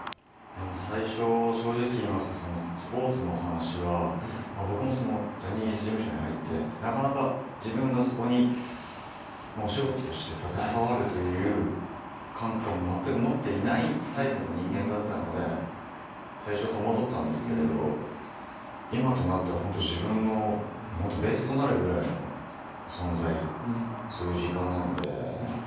最初正直言いますとスポーツのお話は僕もジャニーズ事務所に入ってなかなか自分がそこにお仕事として携わるという感覚は全く持っていないタイプの人間だったので最初は戸惑ったんですけれど今となっては本当そういう時間なので。